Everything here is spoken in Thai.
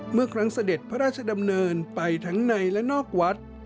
เมื่อครั้งเสด็จพระราชดำเนินไปทั้งในและนอกวัด